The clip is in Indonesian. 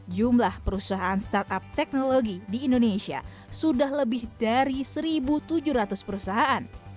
jumlah perusahaan startup teknologi di indonesia sudah lebih dari satu tujuh ratus perusahaan